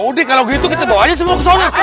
udah kalau gitu kita bawa aja semua ke sana